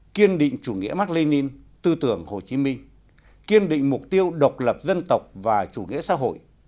kiên định chủ nghĩa mạc lê ninh tư tưởng hồ chí minh kiên định mục tiêu độc lập dân tộc và chủ nghĩa xã hội